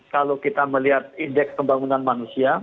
kalau kita melihat indeks pembangunan manusia